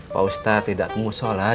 pak ustadz tidak mau sholat